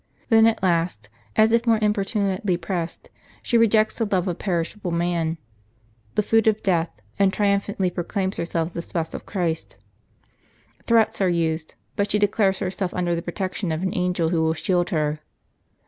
Then at last, as if more impor tunately pressed, slie rejects the love of perishable man, "the food of death," and triumphantly proclaims herself the spouse of Christ. Threats are used ; but she declares herself under the protection of an angel who will shield her.